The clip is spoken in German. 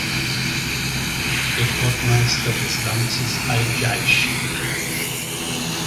Rekordmeister des Landes ist Al-Dschaisch.